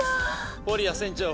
フォリア船長